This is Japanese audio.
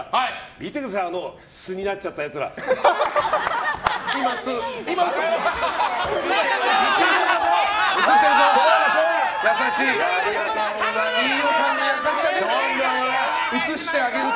見てくださいあの素になっちゃったやつら。映ってるぞ！